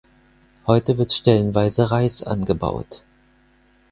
Heute wird stellenweise Reis angebaut.